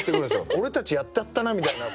俺たちやってやったなみたいな。